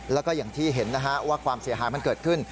แล้วก็อย่างที่เห็นนะฮะว่าความเสียหายมันเกิดขึ้น